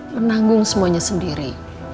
menanggung semuanya sendiri